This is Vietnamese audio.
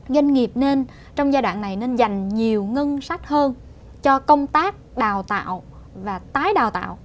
doanh nghiệp nên trong giai đoạn này nên dành nhiều ngân sách hơn cho công tác đào tạo và tái đào tạo